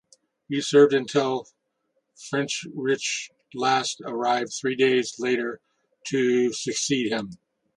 He served until Friedrich Last arrived three days later to succeed him.